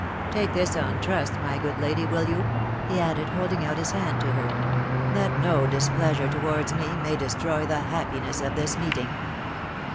Take this on trust, my good lady, will you," he added, holding out his hand to her, " that no displeasure towards me may destroy the happiness of this meeting